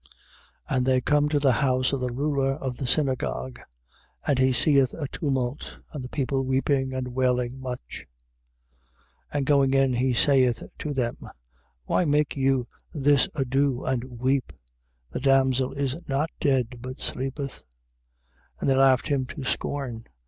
5:38. And they cone to the house of the ruler of the synagogue; and he seeth a tumult, and people weeping and wailing much. 5:39. And going in, he saith to them Why make you this ado, and weep? the damsel is not dead, but sleepeth. 5:40. And they laughed him to scorn.